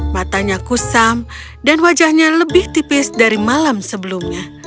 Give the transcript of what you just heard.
matanya kusam dan wajahnya lebih tipis dari malam sebelumnya